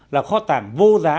là kho tảng vô giá